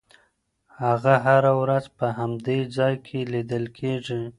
هغه هره ورځ په همدې ځای کې لیدل کېږي.